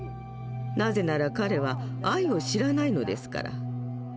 なぜなら彼は愛を知らないのですから。